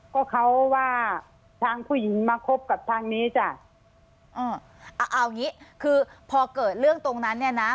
ก็เขาว่าทางผู้หญิงมาคบกับทางนี้จ้ะอ่าเอาเอาอย่างงี้คือพอเกิดเรื่องตรงนั้นเนี่ยนะ